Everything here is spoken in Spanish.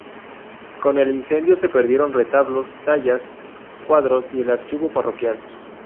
Con el incendio se perdieron retablos, tallas, cuadros y el archivo parroquial.